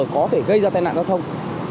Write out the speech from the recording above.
có thể gây ra tai nạn giao thông